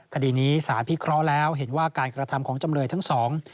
คดีนี้สารพิเคราะห์แล้วเห็นว่าการกระทำของจำเลยทั้งสอง